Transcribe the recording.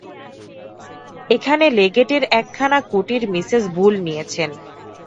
এখানে লেগেটের একখানা কুটীর মিসেস বুল নিয়েছেন।